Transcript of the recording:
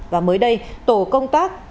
và mới đây tổ công tác